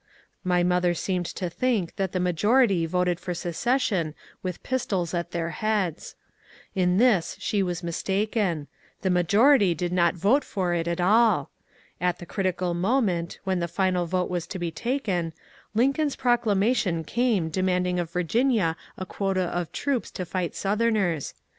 My mother seemed to think that the majority voted for secession with pistols at their heads. In this she was mistaken ; the majority did not vote for it at all. At the critical moment, when the final vote was about to be taken, Lincoln's proclamation came demanding of Virginia a quota of troops to fight Southerners.